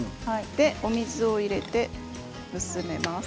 お水を入れて薄めます。